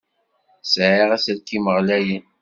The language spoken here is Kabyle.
Sɛiɣ aselkim ɣlayen.